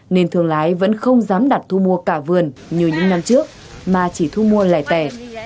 nên thương lái vẫn không dám đặt thu mua cả vườn như những năm trước mà chỉ thu mua lại tẻ